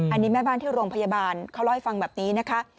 อันนี้แม่บ้านที่โรงพยาบาลเขาเล่าให้ฟังแบบนี้นะคะ